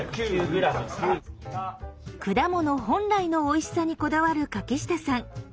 果物本来のおいしさにこだわる柿下さん。